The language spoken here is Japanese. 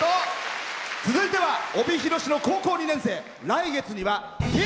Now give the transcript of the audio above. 続いては帯広市の高校２年生。